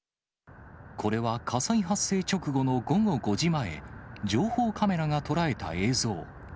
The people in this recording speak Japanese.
これは火災発生直後の午後５時前、情報カメラが捉えた映像。